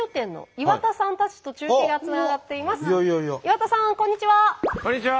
岩田さんこんにちは。